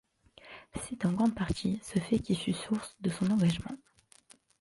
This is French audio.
C'est en grande partie ce fait qui fut source de son engagement.